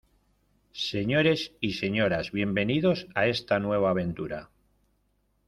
Señores y señoras, bienvenidos a está nueva aventura.